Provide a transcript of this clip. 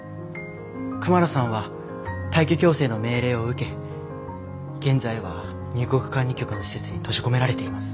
クマラさんは退去強制の命令を受け現在は入国管理局の施設に閉じ込められています。